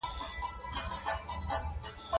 مجاهد د خدای له لورې فتحه غواړي.